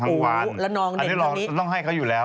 แปลงเล่นทางนี้อันนี้ก็ต้องให้เขาอยู่แล้ว